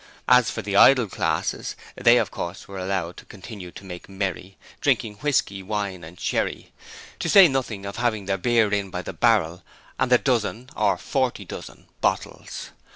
As for the idle classes, they of course are to be allowed to continue to make merry, 'drinking whisky, wine and sherry', to say nothing of having their beer in by the barrel and the dozen or forty dozen bottles.